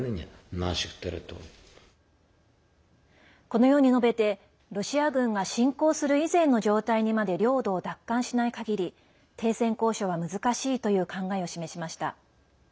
このように述べてロシア軍が侵攻する以前の状態にまで領土を奪還しないかぎり停戦交渉は難しいという考えを示しました。